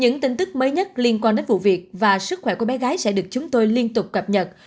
những tin tức mới nhất liên quan đến vụ việc và sức khỏe của bé gái sẽ được chúng tôi liên tục cập nhật